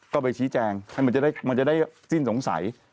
ก็ไปชี้แจงให้มันจะได้สิ้นสงสัย